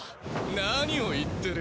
何を言ってる。